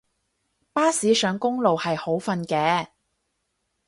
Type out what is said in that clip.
巴士上公路係好瞓嘅